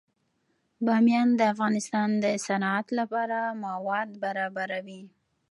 بامیان د افغانستان د صنعت لپاره مواد برابروي.